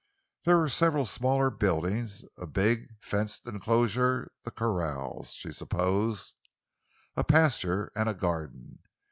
There were several smaller buildings; a big, fenced enclosure—the corrals, she supposed; a pasture, and a garden.